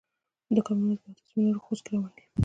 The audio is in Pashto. د کامن وایس پښتو سمینارونه خوست کې روان دي.